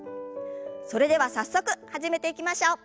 それでは早速始めていきましょう。